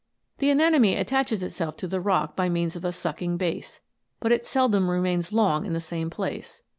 The anemone attaches itself to the rock by means of a sucking base, but it seldom remains long in the same place.